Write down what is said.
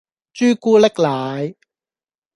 朱古力奶